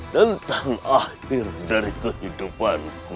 tentang akhir dari kehidupan ku